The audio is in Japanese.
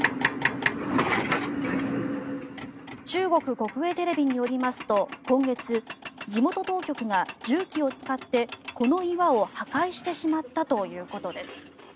中国国営テレビによりますと今月、地元当局が重機を使ってこの岩を破壊してしまったということです。